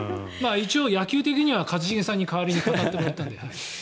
一応、野球的には一茂さんに代わりに言ってもらったので。